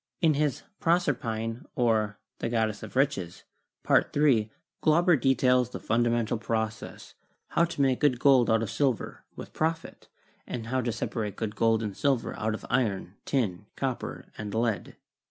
PERIOD OF MEDICAL MYSTICISM 79 In his 'Proserpine: or, the Goddess of Riches/ Part III, Glauber details "the fundamental process, how to make good gold out of silver, with profit, and how to sep arate good gold and silver out of iron, tin, copper, and lead."